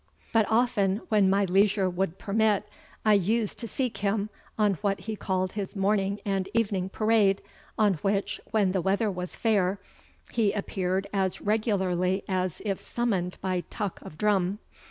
But often, when my leisure would permit, I used to seek him, on what he called his morning and evening parade, on which, when the weather was fair, he appeared as regularly as if summoned by tuck of drum.